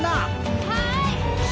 はい！